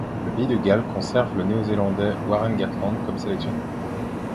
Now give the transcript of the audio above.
Le pays de Galles conserve le Néo-Zélandais Warren Gatland comme sélectionneur.